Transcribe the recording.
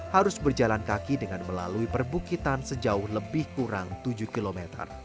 harus berjalan kaki dengan melalui perbukitan sejauh lebih kurang tujuh km